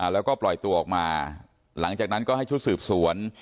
แล้วก็ปล่อยตัวออกมาหลังจากนั้นก็ให้ชุดสืบสวน